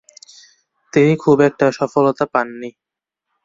তিনি খুব একটা সফলতা পাননি।